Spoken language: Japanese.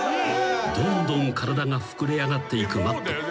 ［どんどん体が膨れ上がっていくマット］